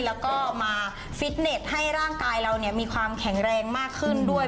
แล้วก็มาฟิตเน็ตให้ร่างกายเรามีความแข็งแรงมากขึ้นด้วย